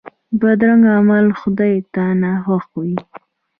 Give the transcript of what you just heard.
بدرنګه عمل خدای ته ناخوښه وي